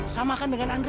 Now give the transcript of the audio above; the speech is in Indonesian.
sama kan dengan andre